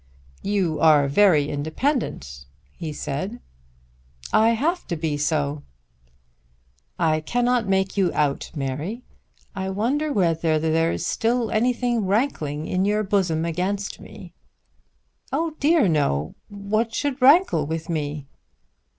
"You are very independent," he said. "I have to be so." "I cannot make you out, Mary. I wonder whether there is still anything rankling in your bosom against me." "Oh dear no. What should rankle with me?"